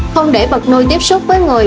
không để vật nuôi tiếp xúc với người